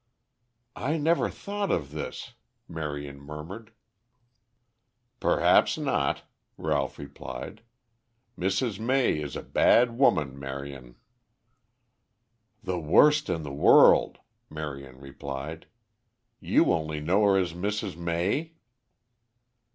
"I never thought of this," Marion murmured. "Perhaps not," Ralph replied. "Mrs. May is a bad woman, Marion." "The worst in the world," Marion replied. "You only know her as Mrs. May?"